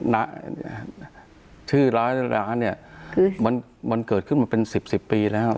น่าชื่อร้านร้านเนี้ยคือมันเกิดขึ้นมาเป็นสิบสิบปีแล้ว